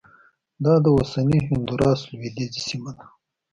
دا د اوسني هندوراس لوېدیځه سیمه ده